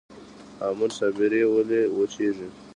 هامون صابري ولې وچیږي؟